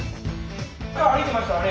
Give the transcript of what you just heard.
歩いてましたらね